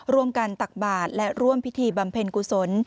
ตักบาทและร่วมพิธีบำเพ็ญกุศล